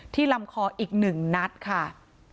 ลำคออีก๑นัดค่ะ